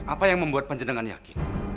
apa yang membuat pak jedengan yakin